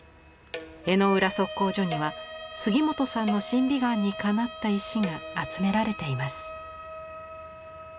江之浦測候所には杉本さんの審美眼にかなった石が集められています。